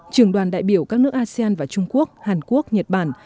trường đoàn đại biểu các nước asean và trung quốc hàn quốc nhật bản